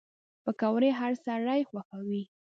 پکورې هر سړی خوښوي